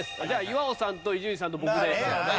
じゃあ岩尾さんと伊集院さんと僕で。